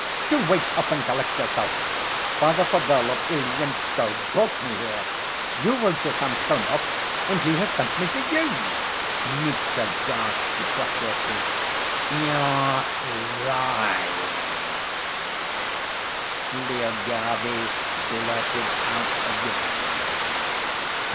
Do wake up, and collect yourself. Father Pavel of Ilyinskoe brought me here. You wrote to Samsonov, and he has sent me to you," Mitya gasped breathlessly. "You're l‐lying!" Lyagavy blurted out again.